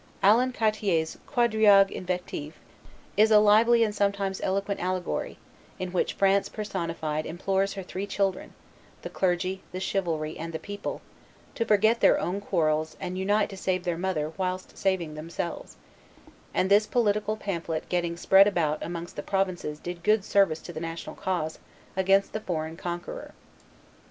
Alan Chartier's Quadriloge invectif is a lively and sometimes eloquent allegory, in which France personified implores her three children, the clergy, the chivalry, and the people, to forget their own quarrels and unite to save their mother whilst saving themselves; and this political pamphlet getting spread about amongst the provinces did good service to the national cause against the foreign conqueror.